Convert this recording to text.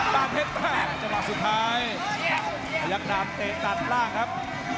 และความสุดท้ายพญักดำเตะนัดล่างครับ